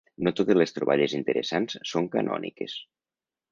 No totes les troballes interessants són canòniques.